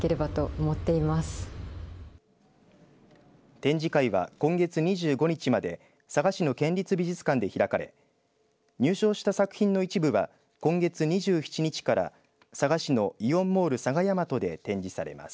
展示会は今月２５日まで佐賀市の県立美術館で開かれ入賞した作品の一部は今月２７日から佐賀市のイオンモール佐賀大和で展示されます。